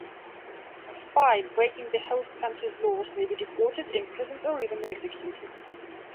A spy breaking the host country's laws may be deported, imprisoned, or even executed.